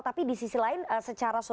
tapi di sisi lain secara sosial